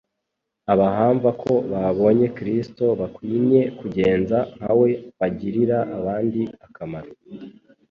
Abahamva ko babonye Kristo bakwinye kugenza nka we bagirira abandi akamaro.